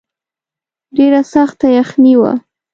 ډېره سخته یخني وه.